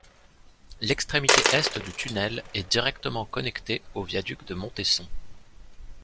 L'extrémité est du tunnel est directement connectée au viaduc de Montesson.